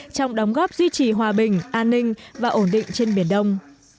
trong đóng góp duy trì hòa bình an ninh và ổn định trên biển đông